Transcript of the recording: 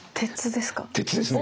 鉄ですね。